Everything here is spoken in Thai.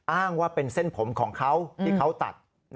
อ้างว่าเป็นเส้นผมของเขาที่เขาตัด